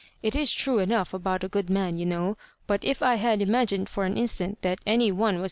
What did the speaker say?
It is true enough about a good man, you know; but if I had imagined for an instant that any one was